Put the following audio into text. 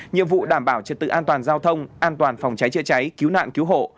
nhiệm vụ đảm bảo trật tự an toàn giao thông an toàn phòng cháy chữa cháy cứu nạn cứu hộ